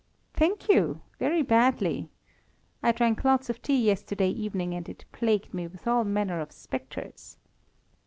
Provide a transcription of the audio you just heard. "Thank you, very badly. I drank lots of tea yesterday evening, and it plagued me with all manner of spectres."